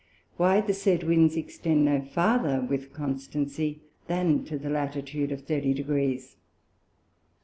Why the said Winds extend no farther with constancy than to the Latitude of 30 Degrees?